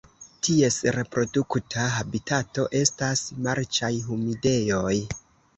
Ties reprodukta habitato estas marĉaj humidejoj.